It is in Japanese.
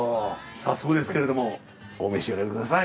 早速ですけれどもお召し上がりください。